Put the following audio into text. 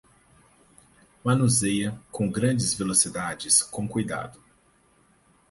Manuseie com grandes velocidades com cuidado.